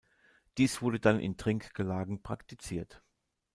Dies wurde dann in Trinkgelagen praktiziert.